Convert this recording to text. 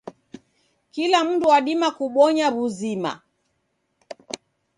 Kila mundu wadima kubonya w'uzima.